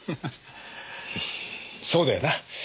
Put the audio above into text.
そうだよな。